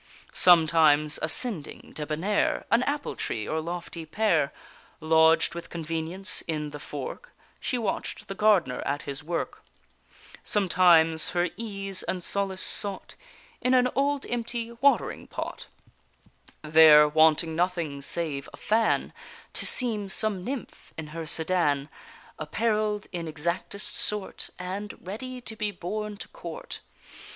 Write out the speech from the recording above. Sometimes ascending, debonnair, An apple tree, or lofty pear, Lodged with convenience in the fork, She watch'd the gardener at his work; Sometimes her ease and solace sought In an old empty watering pot: There, wanting nothing save a fan, To seem some nymph in her sedan Apparell'd in exactest sort, And ready to be borne to court.